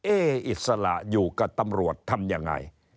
อิสระอยู่กับตำรวจทำยังไง